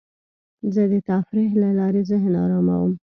زه د تفریح له لارې ذهن اراموم.